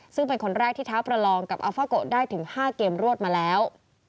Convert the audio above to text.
ซึ่งเป็นคนแรกที่ท้าประลองกับอัลฟาโกะได้ถึง๕เกมรวดมาแล้ว